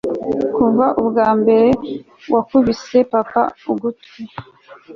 kuva ubwambere wakubise papa ugutwi